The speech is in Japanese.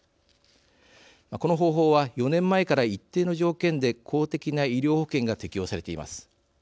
この方法は４年前から一定の条件で公的な医療保険が適用されています。